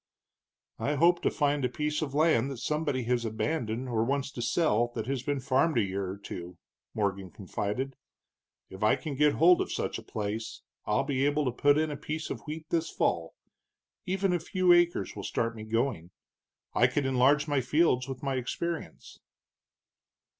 "I hope to find a piece of land that somebody has abandoned or wants to sell, that has been farmed a year or two," Morgan confided. "If I can get hold of such a place I'll be able to put in a piece of wheat this fall even a few acres will start me going. I could enlarge my fields with my experience."